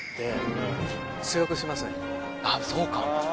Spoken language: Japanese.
あっそうかも。